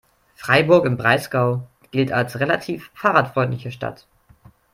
Freiburg im Breisgau gilt als relativ fahrradfreundliche Stadt.